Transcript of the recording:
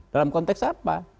dalam konteks apa